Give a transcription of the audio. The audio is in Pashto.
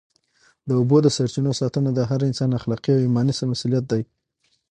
د اوبو د سرچینو ساتنه د هر انسان اخلاقي او ایماني مسؤلیت دی.